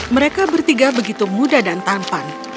mereka bertiga begitu muda dan tampan